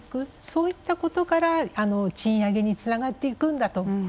そういったことから賃上げにつながっていくんだと。